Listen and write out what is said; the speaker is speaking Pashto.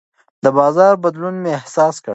د بازار بدلون مې احساس کړ.